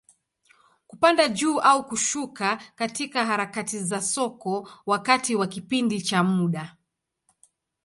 Kupanda juu au kushuka katika harakati za soko, wakati wa kipindi cha muda.